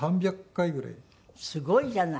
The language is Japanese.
すごいじゃない。